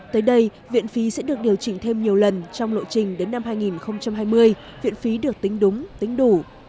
tới đây viện phí sẽ được điều chỉnh thêm nhiều lần trong lộ trình đến năm hai nghìn hai mươi viện phí được tính đúng tính đủ